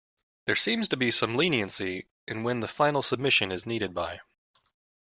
There seems to be some leniency in when the final submission is needed by.